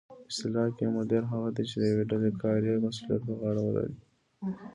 اصطلاح کې مدیر هغه دی چې د یوې ډلې کاري مسؤلیت په غاړه ولري